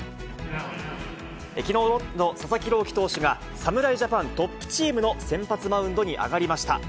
きのう、ロッテの佐々木朗希投手が、侍ジャパントップチームの先発マウンドに上がりました。